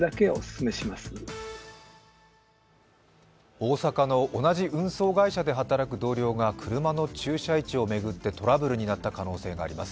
大阪の同じ運送会社で働く同僚が車の駐車位置を巡ってトラブルになった可能性があります。